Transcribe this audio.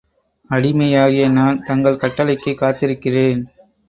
அடிமையாகிய நான் தங்கள் கட்டளைக்குக் காத்திருக்கிறேன்.